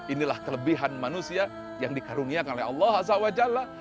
inilah kelebihan manusia yang dikaruniai oleh allah haza wa jalla